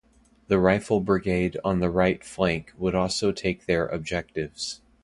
The Rifle Brigade on the right flank would also take their objectives.